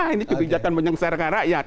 ini kebijakan menyengsarakan rakyat